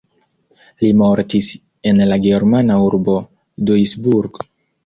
Li mortis en la germana urbo Duisburg.